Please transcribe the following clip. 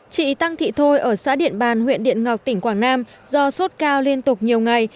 chị tăng thị thôi ở xã điện bàn huyện điện ngọc tỉnh quảng nam do sốt cao liên tục nhiều ngày